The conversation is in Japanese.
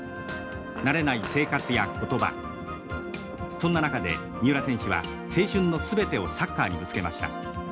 そんな中で三浦選手は青春の全てをサッカーにぶつけました。